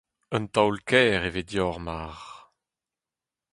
un taol-kaer e ve deoc'h mar…